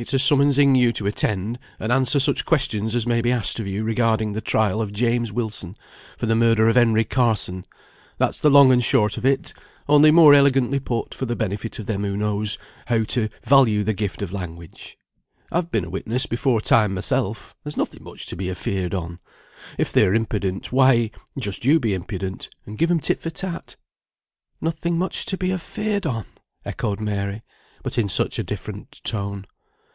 It's a summonsing you to attend, and answer such questions as may be asked of you regarding the trial of James Wilson, for the murder of Henry Carson; that's the long and short of it, only more elegantly put, for the benefit of them who knows how to value the gift of language. I've been a witness before time myself; there's nothing much to be afeared on; if they are impudent, why, just you be impudent, and give 'em tit for tat." "Nothing much to be afeared on!" echoed Mary, but in such a different tone.